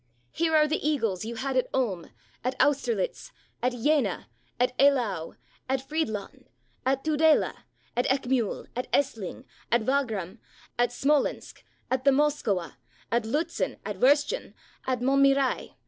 Here are the eagles you had at Ulm, at Austerlitz, at Jena, at Eylau, at Fried land, at Tudela, at Eckmiihl, at Essling, at Wagram, at Smolensk, at the Moskowa, at Liitzen, at Wurschen, at Montmirail